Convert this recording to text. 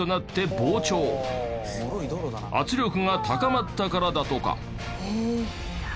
圧力が高まったからだとか。